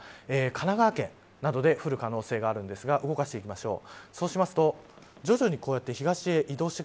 千葉県それから神奈川県などで降る可能性があるんですが動かしていきましょう。